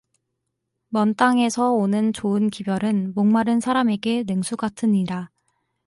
먼 땅에서 오는 좋은 기별은 목마른 사람에게 냉수 같으니라